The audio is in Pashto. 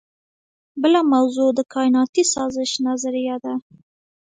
بله موضوع د کائناتي سازش نظریه ده.